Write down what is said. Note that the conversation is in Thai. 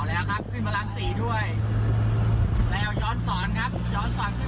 เอ่อเอาไงเอ้าสิบกอมมาเอาจะไปทางไหน